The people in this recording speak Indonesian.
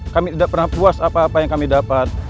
kami tidak pernah puas apa apa yang kami dapat